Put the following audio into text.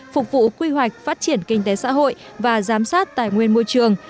phục vụ quy hoạch phát triển kinh tế xã hội và giám sát tài nguyên môi trường